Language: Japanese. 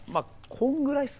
こんぐらいっす。